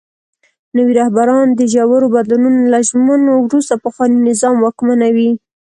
نوي رهبران د ژورو بدلونونو له ژمنو وروسته پخواني نظام واکمنوي.